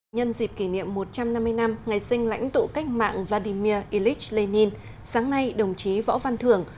nhân dịp kỷ niệm một trăm năm mươi năm ngày sinh lãnh tụ cách mạng vladimir ilyich lenin sáng nay đồng chí võ văn thưởng